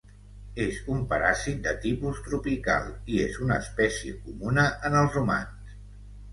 És un paràsit de tipus tropical i és una espècie comuna en els humans.